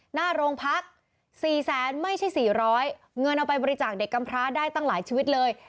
หน้าโรงพัก๔แสนไม่ใช่๔๐๐เงินเอาไปบริจาคเด็กกำพร้าได้ตั้งหลายชีวิตเลย